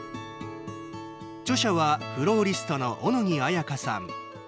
著者はフローリストの小野木彩香さん。